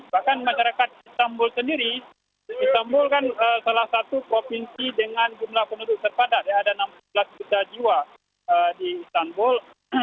bahkan masyarakat istanbul sendiri istanbul kan salah satu provinsi dengan jumlah penutup serpadat ada enam belas juta jiwa di istanbul